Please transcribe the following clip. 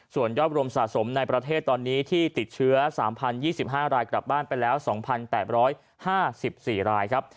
ส่วนยอดรวมสะสมในประเทศตอนนี้ที่ติดเชื้อ๓๐๒๕รายกลับบ้านไปแล้ว๒๘๕๔รายครับ